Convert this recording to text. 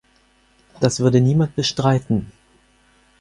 Das würde niemand bestreiten.